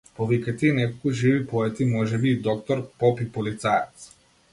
Повикајте и неколку живи поети, можеби и доктор, поп и полицаец.